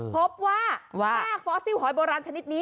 พบว่าซากฟอสซิลหอยโบราณชนิดนี้